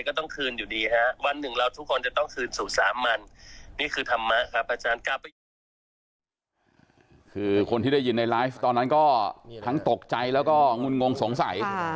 คือคนที่ได้ยินในไลฟ์ตอนนั้นก็ทั้งตกใจแล้วก็งุนงงสงสัย